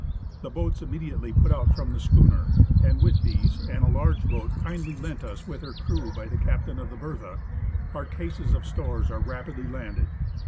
The boats imme diately put out from the schooner, and with these and a large boat, kindly lent us with her crew by the captain of the Bej tha, our cases of stores are rapidly landed.